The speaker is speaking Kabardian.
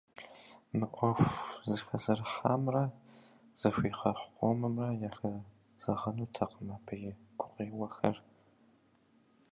Мы Ӏуэху зэхэзэрыхьамрэ зэхуигъэхъу къомымрэ яхэзэгъэнутэкъым абы и гукъеуэхэр.